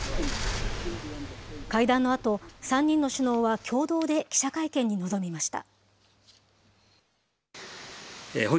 会談のあと、３人の首脳は共同で記者会見に臨みました。